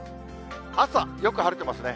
朝、よく晴れてますね。